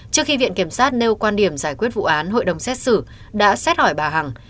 trước khi viện kiểm sát nêu quan điểm giải quyết vụ án hội đồng xét xử đã xét hỏi bà hằng